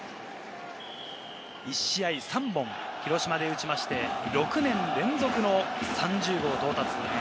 １試合３本、広島で打ちまして、６年連続の３０号到達。